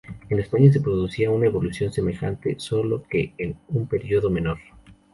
En España se producirá una evolución semejante, solo que en un período menor.